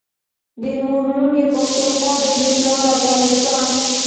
دمور نوم يی پښتونخوا دی دپلار افغانستان